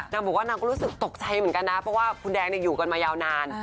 นางบอกว่านางก็รู้สึกตกใจเหมือนกันนะเพราะว่าคุณแดงอยู่กันมายาวนาน